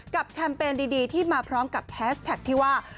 แคมเปญดีที่มาพร้อมกับแฮสแท็กที่ว่า